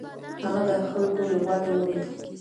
هغه د خلکو یووالی ولید.